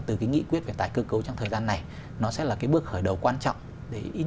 từ cái nghị quyết về tái cơ cấu trong thời gian này nó sẽ là cái bước khởi đầu quan trọng để in